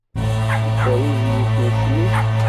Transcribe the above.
Yeffer udem-is ucmit.